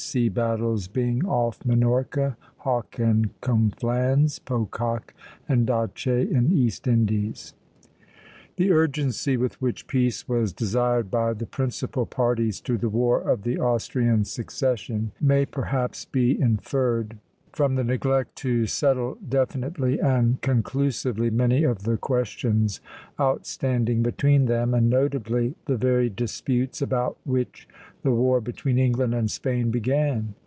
SEA BATTLES: BYNG OFF MINORCA; HAWKE AND CONFLANS; POCOCK AND D'ACHÉ IN EAST INDIES. The urgency with which peace was desired by the principal parties to the War of the Austrian Succession may perhaps be inferred from the neglect to settle definitely and conclusively many of the questions outstanding between them, and notably the very disputes about which the war between England and Spain began.